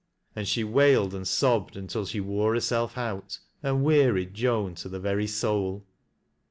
And she wailed and sobbed until she wore herself out, and wearied Joan to the very soul.